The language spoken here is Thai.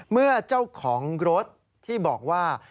เมื่อเจ้าของรถที่บอกว่า